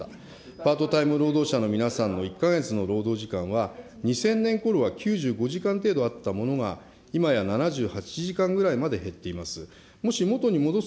パートタイム労働者の皆さんの１か月の労働時間は２０００年ころは９５時間程度あったものが、いまや７８時間ぐらいまで減っています。